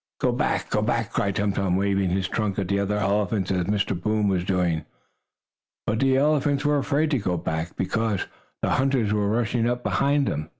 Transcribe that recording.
"Go back! Go back!" cried Tum Tum, waving his trunk at the other elephants as Mr. Boom was doing. But the elephants were afraid to go back because the hunters were rushing up behind them.